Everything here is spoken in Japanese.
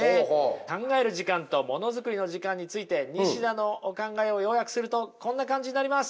考える時間ともの作りの時間について西田のお考えを要約するとこんな感じになります。